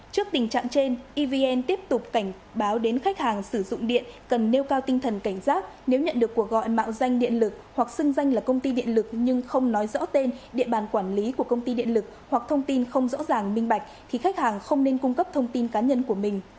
trước tình trạng trên evn tiếp tục cảnh báo đến khách hàng sử dụng điện cần nêu cao tinh thần cảnh giác nếu nhận được cuộc gọi mạo danh điện lực hoặc xưng danh là công ty điện lực nhưng không nói rõ tên địa bàn quản lý của công ty điện lực hoặc thông tin không rõ ràng minh bạch thì khách hàng không nên cung cấp thông tin cá nhân của mình